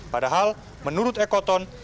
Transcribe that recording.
padahal menurut ekoton